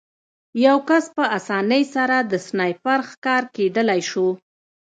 یو کس په اسانۍ سره د سنایپر ښکار کېدلی شو